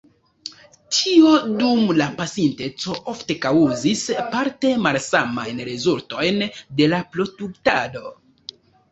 Tio dum la pasinteco ofte kaŭzis parte malsamajn rezultojn de la produktado.